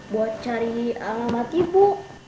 buat cari alamat ibu